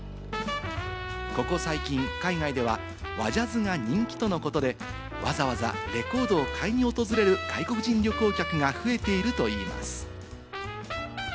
ここ最近、海外では和ジャズが人気とのことで、わざわざレコードを買いに訪れる外国人旅行客が増えているといいます。